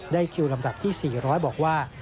คิวลำดับที่๔๐๐บอกว่า